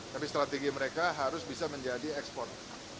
tapi strategi mereka harus bisa menjadi ekspor